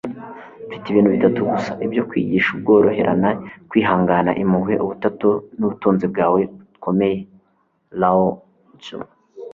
mfite ibintu bitatu gusa byo kwigisha ubworoherane, kwihangana, impuhwe. ubu butatu ni ubutunzi bwawe bukomeye. - lao tzu